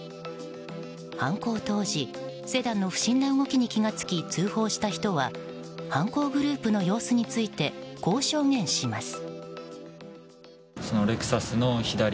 犯行当時セダンの不審な動きに気が付き通報した人は犯行グループの様子についてこう証言します。